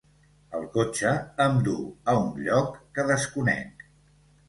El cotxe em duu a un lloc que desconec.